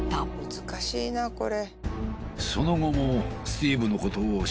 難しいなこれ。